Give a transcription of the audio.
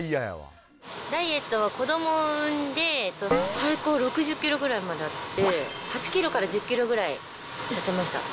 ダイエットは子どもを産んで、最高６０キロぐらいまであって、８キロから１０キロぐらい痩せました。